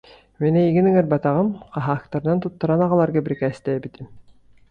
Мин эйигин ыҥырбатаҕым, хаһаактарынан туттаран аҕаларга бирикээстээбитим